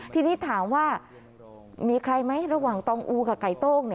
ทีนี้ถามว่ามีใครไหมระหว่างตองอูกับไก่โต้ง